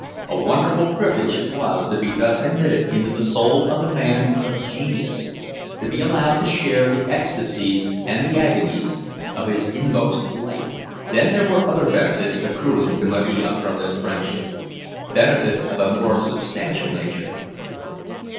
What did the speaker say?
A wonderful privilege it was to be thus admitted into the soul of a man of genius, to be allowed to share the ecstasies and the agonies of his inmost life. Then there were other benefits accruing to Marija from this friendship—benefits of a more substantial nature.